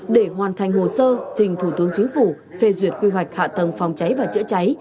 để hoàn thành hồ sơ trình thủ tướng chính phủ phê duyệt quy hoạch hạ tầng phòng cháy và chữa cháy